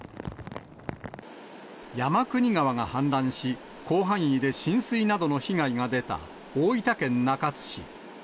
山国川が氾濫し、広範囲で浸水などの被害が出た大分県中津市。